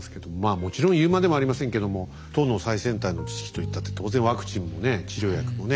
もちろん言うまでもありませんけども唐の最先端の知識と言ったって当然ワクチンもね治療薬もね